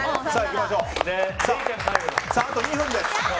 あと２分です。